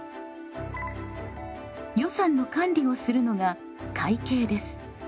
予算の管理をするのが会計です。